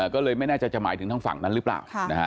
ก็เลยไม่แน่ใจจะหมายถึงทางฝั่งนั้นหรือเปล่า